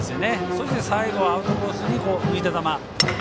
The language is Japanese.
そして、最後アウトコースに浮いた球。